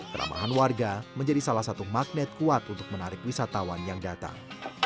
keramahan warga menjadi salah satu magnet kuat untuk menarik wisatawan yang datang